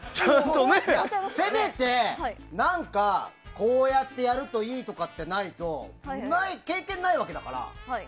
せめて、何かこうやってやるといいとかってないと経験がないわけだから。